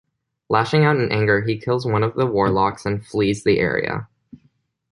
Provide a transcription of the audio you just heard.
Lashing out in anger, he kills one of the warlocks and flees the area.